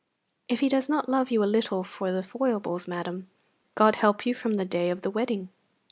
If he does not love you a little for the foibles, madam, God help you from the day of the wedding.